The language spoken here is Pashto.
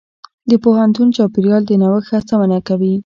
د پوهنتون چاپېریال د نوښت هڅونه کوي.